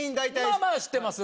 まあまあ知ってます。